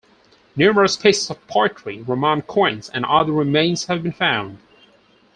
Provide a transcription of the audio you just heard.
Numerous pieces of pottery, Roman coins, and other remains have been found.